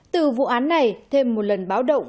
từ vụ án này thêm một lần báo động